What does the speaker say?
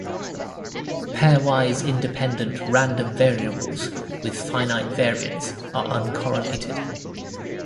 Pairwise independent random variables with finite variance are uncorrelated.